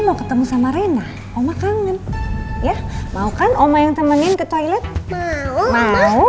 mau ketemu sama rena oma kangen ya mau kan oma yang temenin ke toilet mau